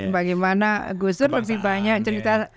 bagaimana gustur lebih banyak cerita